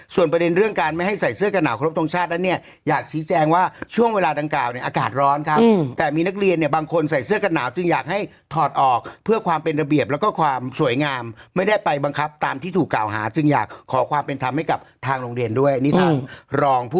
ส่วนประเด็นเรื่องการไม่ให้ใส่เสื้อกันหนาวครบทรงชาตินั้นเนี่ยอยากชี้แจงว่าช่วงเวลาดังกล่าวเนี่ยอากาศร้อนครับแต่มีนักเรียนเนี่ยบางคนใส่เสื้อกันหนาวจึงอยากให้ถอดออกเพื่อความเป็นระเบียบแล้วก็ความสวยงามไม่ได้ไปบังคับตามที่ถูกกล่าวหาจึงอยากขอความเป็นธรรมให้กับทางโรงเรียนด้วยอันนี้ทางรองผู้